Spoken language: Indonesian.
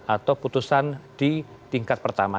atau putusan di tingkat pertama